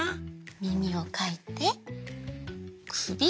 みみをかいてくび。